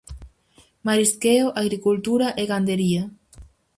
Marisqueo, agricultura e gandería.